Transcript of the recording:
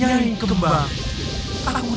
jaih kembang aku menunggumu disini